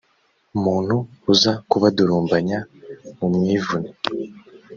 muntu uza kubadurumbanya mumwivune.